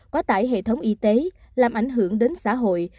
quá tải hệ thống y tế làm ảnh hưởng đến xã hội